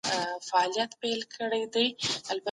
واقعي پوښتنې په ټولنه کې د موجودو حقایقو په اړه دي.